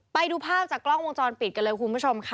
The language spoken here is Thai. ไปดูภาพจากกล้องวงจรปิดกันเลยคุณผู้ชมค่ะ